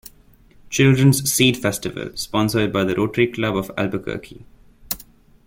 Children's Seed Festival-Sponsored by the Rotary Club of Albuquerque.